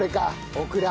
オクラ！